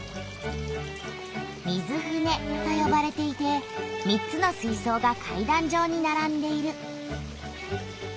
水舟とよばれていて３つの水そうが階段じょうにならんでいる。